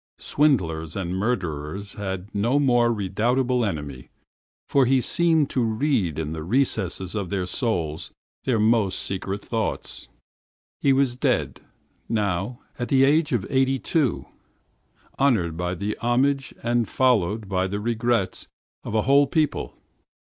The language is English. Swindlers and murderers had no more redoubtable enemy, for he seemed to read the most secret thoughts of their minds. He was dead, now, at the age of eighty two, honored by the homage and followed by the regrets of a whole people.